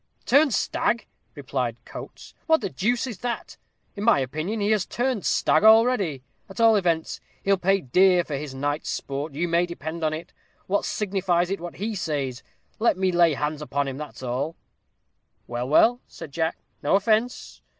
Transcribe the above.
"Turn stag!" replied Coates, "what the deuce is that? In my opinion, he has 'turned stag' already. At all events, he'll pay deer for his night's sport, you may depend upon it. What signifies it what he says? Let me lay hands upon him, that's all." "Well, well," said Jack, "no offence.